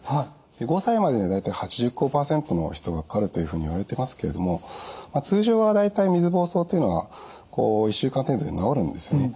５歳までには大体８５％の人がかかるというふうにいわれてますけれども通常は大体水ぼうそうというのは１週間程度で治るんですね。